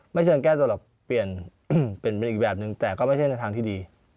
เชิงแก้ตัวหรอกเปลี่ยนเป็นอีกแบบนึงแต่ก็ไม่ใช่ในทางที่ดี